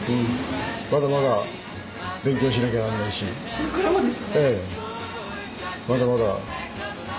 これからもですね。